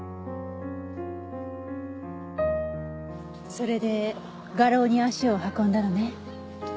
それで画廊に足を運んだのね？